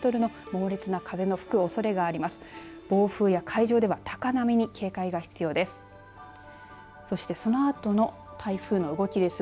暴風や海上では高波に警戒が必要です。